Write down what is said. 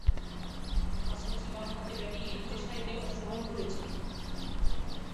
পাশাপাশি বামহাতে ব্যাটিংয়ে নিচেরসারিতে অংশগ্রহণ করেছেন।